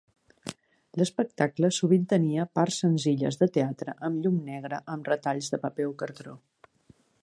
L'espectacle sovint tenia parts senzilles de teatre amb llum negra amb retalls de paper o cartró.